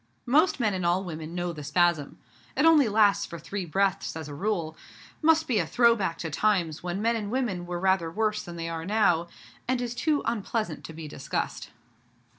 Most men and all women know the spasm. It only lasts for three breaths as a rule, must be a 'throw back' to times when men and women were rather worse than they are now, and is too unpleasant to be discussed.